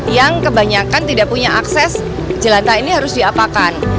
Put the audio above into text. yang kebanyakan tidak punya akses jelantah ini harus diapakan